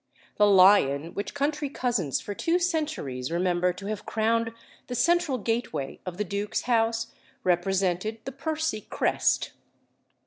The lion which country cousins for two centuries remember to have crowned the central gateway of the duke's house, represented the Percy crest.